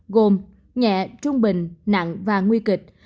gồm nhẹ trung bình nặng và nguy kịch